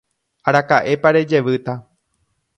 Araka'épa rejevýta.